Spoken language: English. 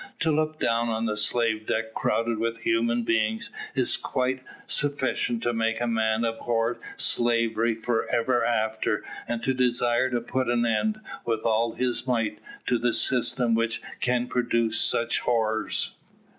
To look down on a slave deck crowded with human beings, is quite sufficient to make a man abhor slavery for ever after, and to desire to put an end, with all his might, to the system which can produce such horrors."